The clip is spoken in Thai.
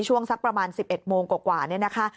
ช่วงสักประมาณ๑๑โมงกว่านี่นะคะ